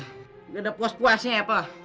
enggak ada puas puasnya ya pa